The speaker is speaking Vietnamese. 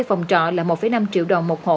phòng trọ là một năm triệu đồng một hộ